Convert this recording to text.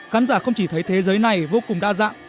khán giả không chỉ thấy thế giới này vô cùng đa dạng